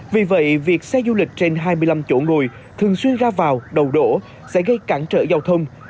vì vậy việc xe du lịch trên hai mươi năm chỗ nồi thường xuyên ra vào đầu đổ sẽ cafe cán trở giao thông